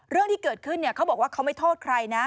เรื่องที่เกิดขึ้นเขาบอกว่าเขาไม่โทษใครนะ